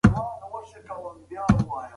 که ډوډۍ تازه وي نو معده نه خرابیږي.